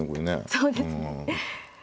そうですね。